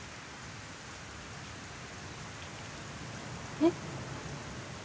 えっ？